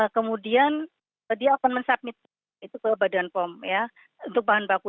kemudian dia akan mensubmit itu ke badan pom ya untuk bahan baku